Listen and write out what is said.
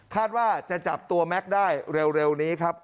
ว่าจะจับตัวแม็กซ์ได้เร็วนี้ครับ